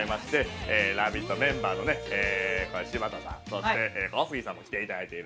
メンバーの柴田さんそして小杉さんも来ていただいて。